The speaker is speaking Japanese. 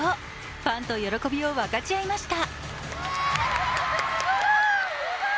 ファンと喜びを分かち合いました。